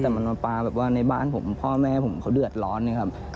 แต่มันมาปลาแบบว่าในบ้านผมพ่อแม่ผมเขาเดือดร้อนนะครับ